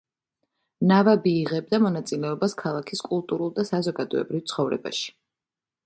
ნავაბი იღებდა მონაწილეობას ქალაქის კულტურულ და საზოგადოებრივ ცხოვრებაში.